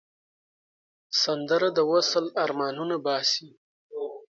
سندره د وصل آرمانونه باسي